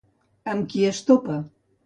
Amb qui es topa?